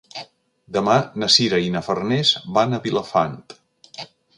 Demà na Sira i na Farners van a Vilafant.